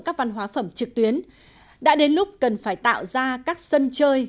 các văn hóa phẩm trực tuyến đã đến lúc cần phải tạo ra các sân chơi